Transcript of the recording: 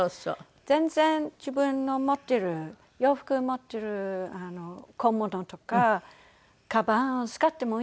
全然自分の持っている洋服持っている小物とか。